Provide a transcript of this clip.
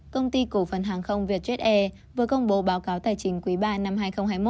công ty cổ phần hàng không vietjet air vừa công bố báo cáo tài chính quý ba năm hai nghìn hai mươi một